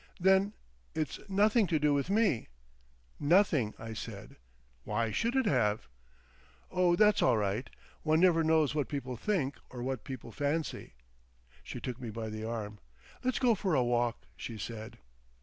"Then, it's nothing to do with me?" "Nothing," I said. "Why should it have?" "Oh, that's all right. One never knows what people think or what people fancy." She took me by the arm, "Let's go for a walk," she said.